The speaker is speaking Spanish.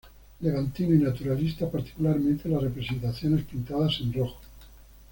Levantino y naturalista, particularmente las representaciones pintadas en rojo.